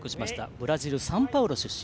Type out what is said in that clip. ブラジル・サンパウロ出身。